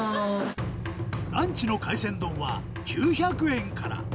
ランチの海鮮丼は９００円から。